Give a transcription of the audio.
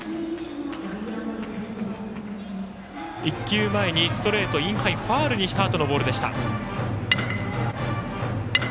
１球前にストレート、インハイをファウルにしたあとのボールでした。